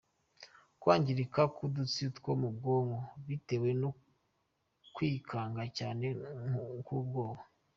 kwangirika k’udutsi two mu bwonko bitewe no kwikanga cyane k’ubwonko.